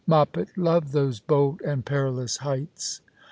Moppet loved those bold and perilous heights.